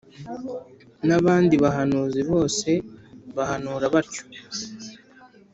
N’abandi bahanuzi bose bahanura batyo